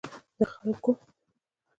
د خلګو